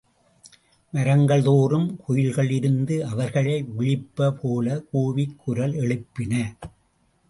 மரங்கள்தோறும் குயில்கள் இருந்து அவர்களை விளிப்ப போலக் கூவிக் குரல் எழுப்பின.